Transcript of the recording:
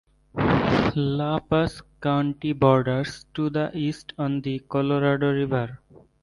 La Paz County borders to the east on the Colorado River.